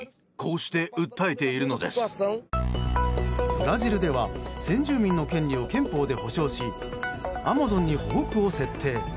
ブラジルでは先住民の権利を憲法で保障しアマゾンに保護区を設定。